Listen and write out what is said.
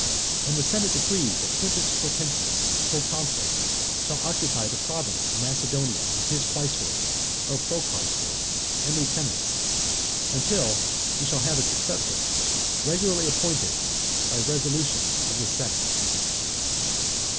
And the senate decrees that Quintus Hortensius, proconsul, shall occupy the province of Macedonia with his quaestors, or proquaestors and lieutenants, until he shall have a successor regularly appointed by resolution of the senate."